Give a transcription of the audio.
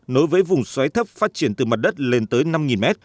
nối với vùng xoáy thấp phát triển từ mặt đất lên tới năm mét